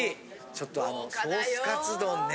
ちょっとあのソースカツ丼ね。